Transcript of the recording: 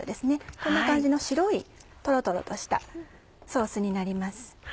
こんな感じの白いとろとろとしたソースになります。